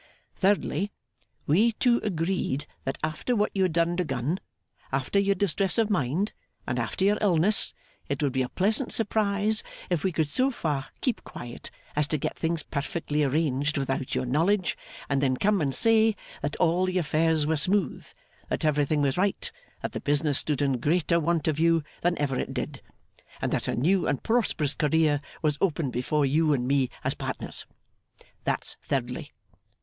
Thirdly. We two agreed, that, after what you had undergone, after your distress of mind, and after your illness, it would be a pleasant surprise if we could so far keep quiet as to get things perfectly arranged without your knowledge, and then come and say that all the affairs were smooth, that everything was right, that the business stood in greater want of you than ever it did, and that a new and prosperous career was opened before you and me as partners. That's thirdly.